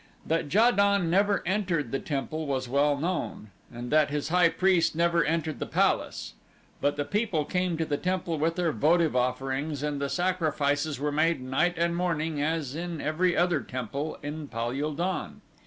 That Ja don never entered the temple was well known, and that his high priest never entered the palace, but the people came to the temple with their votive offerings and the sacrifices were made night and morning as in every other temple in Pal ul don.